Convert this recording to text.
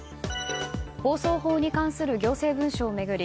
放送法に関する行政文書を巡り